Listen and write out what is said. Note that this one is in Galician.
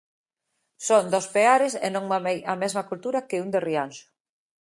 Son dos Peares e non mamei a mesma cultura que un de Rianxo.